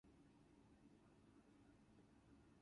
German, Italian, and Swedish language programs paid the bills.